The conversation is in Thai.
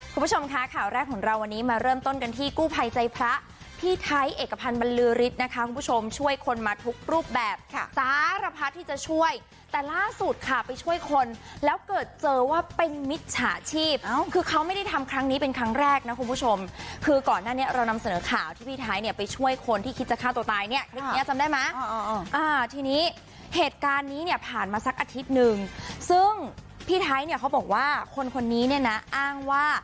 คุณผู้ชมค่ะข่าวแรกของเราวันนี้มาเริ่มต้นกันที่กู้ภัยใจพระพี่ไทยเอกพันธ์บรรลือฤทธิ์นะคะคุณผู้ชมช่วยคนมาทุกรูปแบบสารพัฒน์ที่จะช่วยแต่ล่าสุดค่ะไปช่วยคนแล้วเกิดเจอว่าเป็นมิตรฉาชีพคือเขาไม่ได้ทำครั้งนี้เป็นครั้งแรกนะคุณผู้ชมคือก่อนหน้านี้เรานำเสนอข่าวที่พี่ไทยเนี่ยไปช่วยคนที่คิดจะ